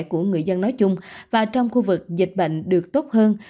của người dân nói chung và trong khu vực dịch bệnh được tốt hơn